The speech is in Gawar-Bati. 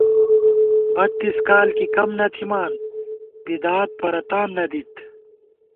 بَتّیس کال کی کم نہ تھِمان بدعات پرَتان نہ دِت